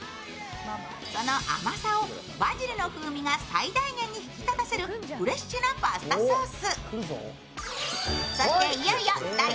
その甘さをバジルの風味が最大限に引き立たせるフレッシュなパスタソース。